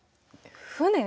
船？